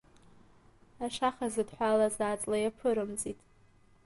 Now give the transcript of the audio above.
Ашаха зыдҳәалаз аҵла иаԥырымҵит.